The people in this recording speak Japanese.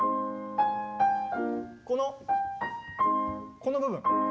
このこの部分。